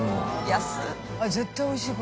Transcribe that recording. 安い。